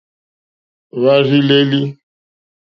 Hwá rzí lélí.